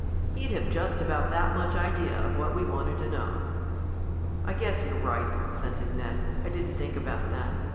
He'd have just about that much idea of what we wanted to know." "I guess you're right," assented Ned. "I didn't think about that.